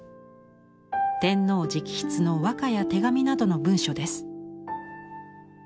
天皇直筆の和歌や手紙などの文書です。